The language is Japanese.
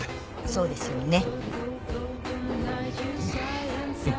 そうですね。